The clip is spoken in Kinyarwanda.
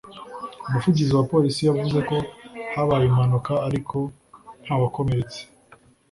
umuvugizi wa polisi yavuze ko habaye impanuka ariko ntawakomeretse